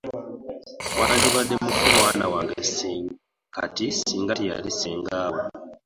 Wandibadde mufu mwana wange kati ssinga teyali ssengaawo.